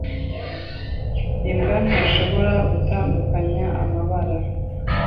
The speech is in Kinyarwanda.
Imbwa ntishobora gutandukanya amabara.